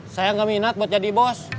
saya nggak minat buat jadi bos